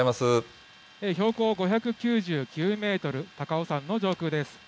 標高５９９メートル、高尾山の上空です。